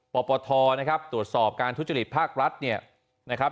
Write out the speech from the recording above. ปปทนะครับตรวจสอบการทุจริตภาครัฐเนี่ยนะครับ